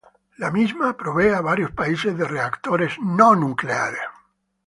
La misma provee a varios países de reactores nucleares.